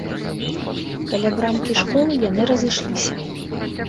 Каля брамкі школы яны разышліся.